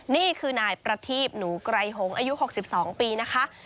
นี่คือนายประทีบหนูไกรหงอายุ๖๒ปีนะคะ